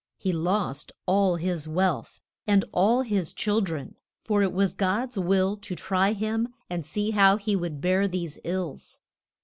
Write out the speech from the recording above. He lost all his wealth, and all his chil dren; for it was God's will to try him and see how he would bear these ills.